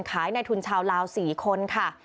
ส่งขายในทุนชาวลาว๔คนค่ะ